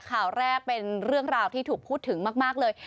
ข่าวแรกเป็นเรื่องราวที่ถูกพูดถึงมากเลย